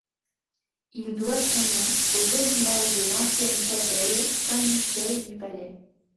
Il doit son nom au voisinage de l'ancienne chapelle Saint-Michel du Palais.